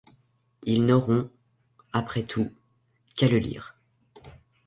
Ils n'auront, après tout, qu'à le lire.